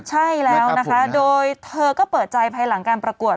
ใช่แล้วนะคะโดยเธอก็เปิดใจภายหลังการประกวด